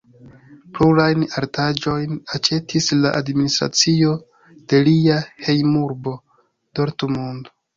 Plurajn artaĵojn aĉetis la administracio de lia hejmurbo Dortmund.